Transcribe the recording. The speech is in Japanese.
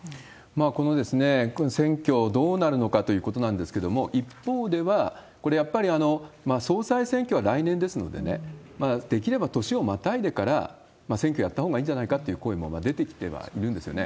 この選挙、どうなるのかということなんですけれども、一方ではこれ、やっぱり総裁選挙は来年ですので、できれば年をまたいでから選挙やったほうがいいんじゃないかって声も出てきてはいるんですよね。